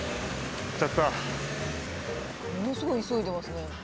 ものすごい急いでますね。